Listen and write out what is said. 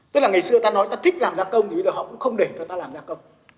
tức là ngày xưa ta nói ta thích làm gia công thì bây giờ họ cũng không để cho ta làm gia công